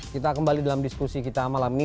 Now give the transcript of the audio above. kita kembali dalam diskusi kita malam ini